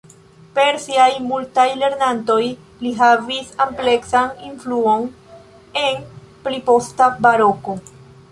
Per siaj multaj lernantoj, li havis ampleksan influon en pli posta Baroko.